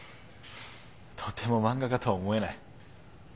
とても漫画家とは思えない。